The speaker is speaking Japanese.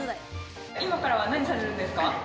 今から何されるんですか？